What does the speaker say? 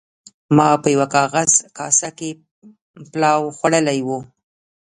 ما په یوه کاغذي کاسه کې پلاو خوړلی و.